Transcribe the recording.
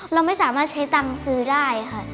เราไม่สามารถใช้ราคาซื้อได้